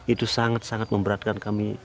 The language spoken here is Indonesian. itu sangat sangat memberatkan kami